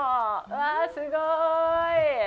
うわあ、すごーい。